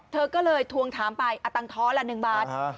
เธอก็เลยทวงถามไปเอาตังค์ท้อละ๑บาท